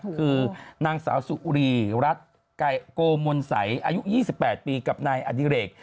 คือนางสาวสุรีรัฐโกมนสัยอายุ๒๘ปีกับนายอดิเรก